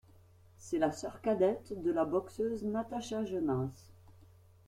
C'est la sœur cadette de la boxeuse Natasha Jonas.